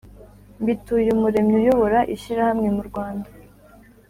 mbituyumuremyi uyobora ishyirahamwe mu rwanda